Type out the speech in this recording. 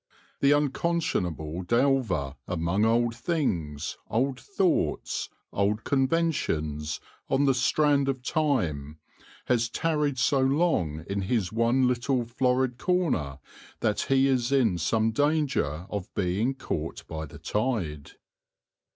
The unconscionable delver among old things, old thoughts, old conventions, on the strand of Time, has tarried so long in his one little florid corner that he is in some danger of being caught by the tide.